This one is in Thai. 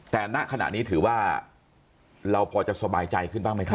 แต่ณขณะนี้ถือว่าเราพอจะสบายใจขึ้นบ้างไหมครับ